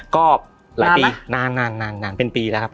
ก็หลายปีนานเป็นปีแล้วครับ